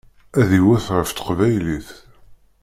Ad iwet ɣef teqbaylit.